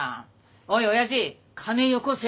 おいおやじ金よこせ！